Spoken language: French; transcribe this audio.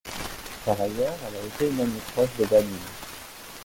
Par ailleurs, elle a été une amie proche de Banine.